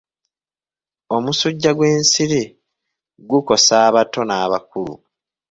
Omusujja gw'ensiri gukosa abato n'abakulu.